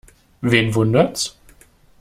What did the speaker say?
Wen wundert's?